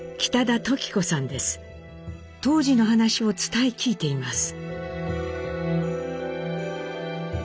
当時の話を伝え聞いています。